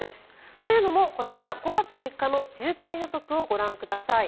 というのもこちら５月３日の渋滞予測をご覧ください。